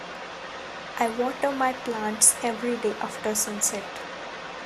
I water my plants everyday after sunset.